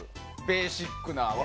ベーシックな。